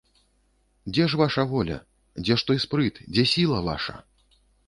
Дзе ж ваша воля, дзе ж той спрыт, дзе сіла ваша?